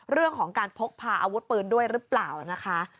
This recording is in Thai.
เรื่องของการพกพาอาวุธปืนด้วยหรือเปล่านะคะ